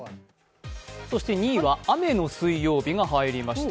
２位は雨の水曜日が入りました。